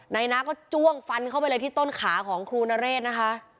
นายน้าก็จ้วงฟันเข้าไปเลยที่ต้นขาของครูนเรศนะคะ